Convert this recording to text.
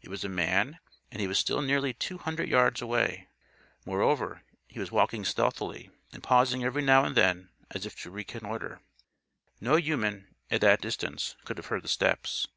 It was a man, and he was still nearly two hundred yards away. Moreover, he was walking stealthily; and pausing every now and then as if to reconnoiter. No human, at that distance, could have heard the steps.